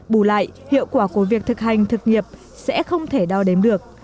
bù lại hiệu quả của việc thực hành thực nghiệp sẽ không thể đo đếm được